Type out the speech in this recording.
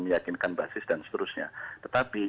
meyakinkan basis dan seterusnya tetapi